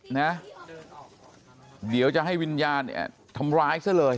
เหนื่อยเดี๋ยวจะให้วิญญาณทำร้ายซะเลย